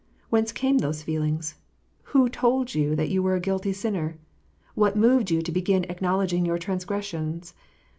Whence came those feelings? Who told you that you were a guilty sinner ? What moved you to begin acknowledging your transgressions